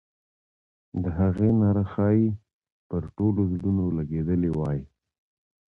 د هغې ناره ښایي پر ټولو زړونو لګېدلې وای.